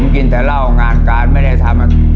กินแต่เหล้างานการไม่ได้ทำ